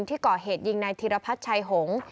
ที่ก่อเหตุยิงนายธีรพัฒน์ชายหงษ์